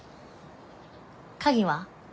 鍵は？